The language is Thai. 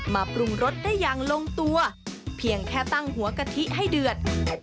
ปรุงรสได้อย่างลงตัวเพียงแค่ตั้งหัวกะทิให้เดือด